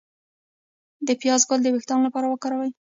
د پیاز ګل د ویښتو لپاره وکاروئ